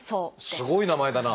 すごい名前だな。